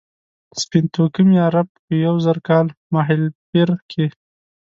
سپین توکمي عرب په یو زر کال مهالپېر کې.